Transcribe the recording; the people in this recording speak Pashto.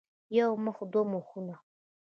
يو مخ او دوه مخونه